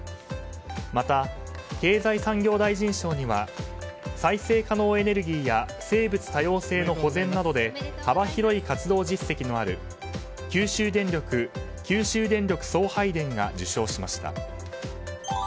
また、経済産業大臣賞には再生可能エネルギーや生物多様性の保全などで幅広い活動実績のある九州電力・九州電力送配電が受賞しました。